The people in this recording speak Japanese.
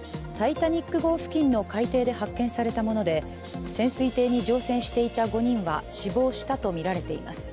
「タイタニック」号付近の海底で発見されたもので潜水艇に乗船していた５人は死亡したとみられています。